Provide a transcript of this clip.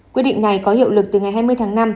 quyết định này có hiệu lực từ ngày hai mươi tháng năm